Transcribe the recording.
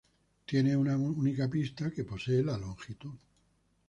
Tiene una única pista que posee de longitud.